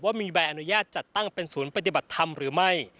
มีใบอนุญาตจัดตั้งเป็นศูนย์ปฏิบัติธรรมหรือไม่